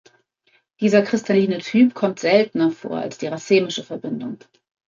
Dieser kristalline Typ kommt seltener vor als die racemische Verbindung.